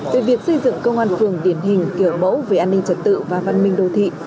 về việc xây dựng công an phường điển hình kiểu mẫu về an ninh trật tự và văn minh đô thị